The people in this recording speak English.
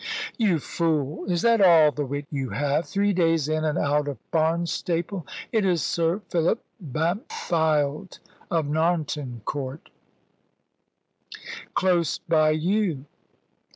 "You fool! Is that all the wit you have? Three days in and out of Barnstaple! It is Sir Philip Bampfylde of Narnton Court, close by you."